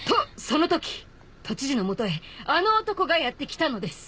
そのとき都知事の元へあの男がやって来たのです！